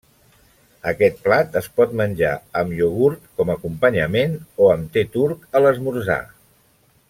Aquest plat es pot menjar amb iogurt com acompanyament o amb te turc a l'esmorzar.